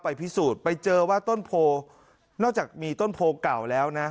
พิสูจน์ไปเจอว่าต้นโพนอกจากมีต้นโพเก่าแล้วนะ